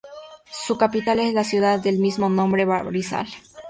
Su capital es la ciudad del mismo nombre, Barisal.